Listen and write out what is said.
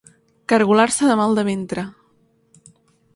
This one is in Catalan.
Cargolar-se de mal de ventre.